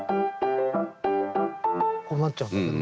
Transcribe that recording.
こうなっちゃうんだけど。